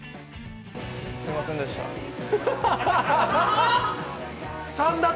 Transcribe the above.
◆すいませんでした。